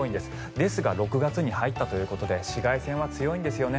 ですが６月に入ったということで紫外線は強いんですよね。